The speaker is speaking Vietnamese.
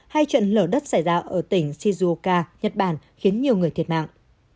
hay trận lở đất xảy ra ở tỉnh shizuoka nhật bản khiến nhiều người thiệt mạng